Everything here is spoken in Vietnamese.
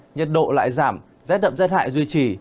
nhiệt độ lại giảm rét đậm rét hại duy trì